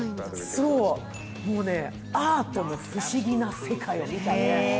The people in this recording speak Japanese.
もうね、アートの不思議な世界を見たね。